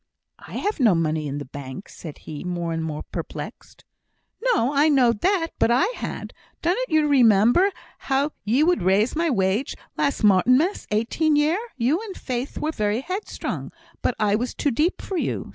"I have no money in the bank!" said he, more and more perplexed. "No! I knowed that; but I had. Dunnot ye remember how you would raise my wage, last Martinmas eighteen year? You and Faith were very headstrong, but I was too deep for you.